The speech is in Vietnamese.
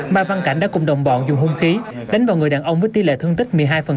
mai văn cảnh đã cùng đồng bọn dùng hung khí đánh vào người đàn ông với tỷ lệ thương tích một mươi hai